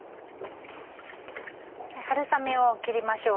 春雨を切りましょう。